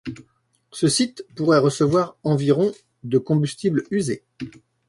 Ce site pourrait recevoir environ de combustibles usés.